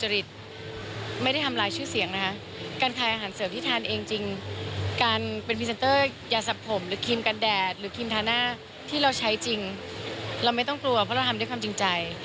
เราไม่ใช่ใครจริงเราไม่ต้องกลัวเพราะเราทำด้วยคำจริงใจ